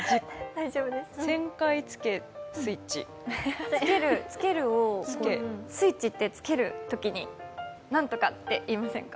１０００回つけスイッチスイッチってつけるときになんとかって言いませんか？